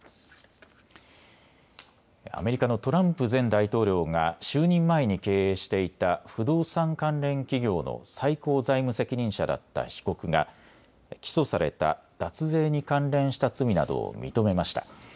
アメリカのトランプ前大統領が就任前に経営していた不動産関連企業の最高財務責任者だった被告が起訴された脱税に関連した罪などを認めました。